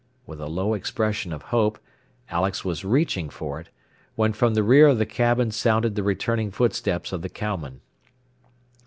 With a low expression of hope Alex was reaching for it, when from the rear of the cabin sounded the returning footsteps of the cowman.